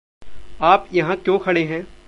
आप यहाँ क्यों खड़े हैं?